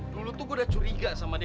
dulu tuh gue udah curiga sama dia